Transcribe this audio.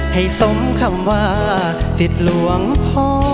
ให้สมคำว่าจิตหลวงพ่อ